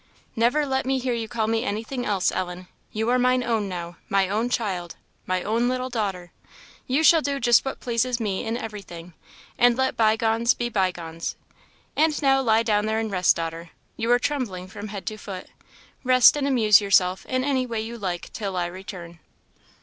"Never let me hear you call me anything else, Ellen. You are mine own now my own child my own little daughter. You shall do just what pleases me in everything, and let by gones be by gones. And now lie down there and rest daughter; you are trembling from head to foot: rest and amuse yourself in any way you like till I return."